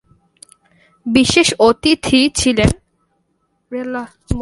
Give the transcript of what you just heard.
বিশেষ অতিথি ছিলেন রেডিয়েন্ট বনসাই সোসাইটির সভাপতি গুলশান নাসরীন চৌধুরীসহ আরও অনেকে।